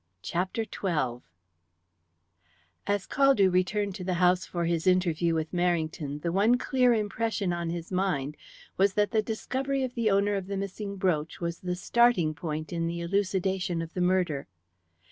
CHAPTER XII As Caldew returned to the house for his interview with Merrington, the one clear impression on his mind was that the discovery of the owner of the missing brooch was the starting point in the elucidation of the murder.